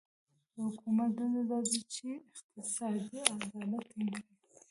د حکومت دنده دا ده چې اقتصادي عدالت ټینګ کړي.